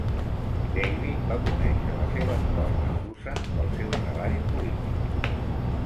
David va conèixer a la seva esposa, Susan, pel seu treball polític.